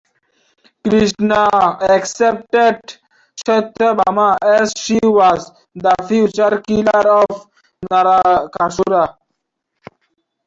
Krishna accepted Satyabhama as she was the future killer of Narakasura.